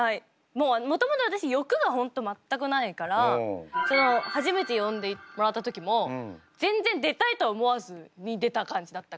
もともと私欲が本当全くないから初めて呼んでもらった時も全然出たいと思わずに出た感じだったから。